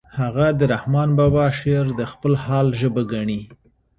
هغه د رحمن بابا شعر د خپل حال ژبه ګڼي